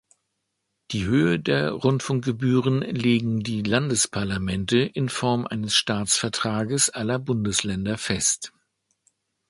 Die Höhe der Rundfunkgebühren legen die Landesparlamente in Form eines Staatsvertrages aller Bundesländer fest.